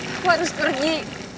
aku harus pergi